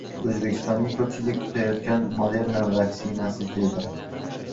O‘zbekistonga ko‘pchilik kutayotgan “Moderna” vaksinasi keltirildi